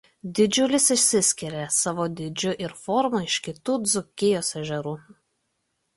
Didžiulis išsiskiria savo dydžiu ir forma iš kitų Dzūkijos ežerų.